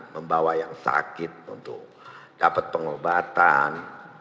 membawa yang sakit untuk dapat pengobatan